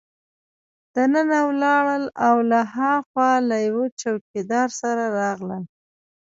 دننه ولاړل او له هاخوا له یوه چوکیدار سره راغلل.